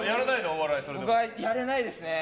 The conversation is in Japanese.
やれないですね。